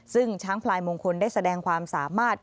ซึ่งช้างพลายมงคลได้แสดงความสามารถ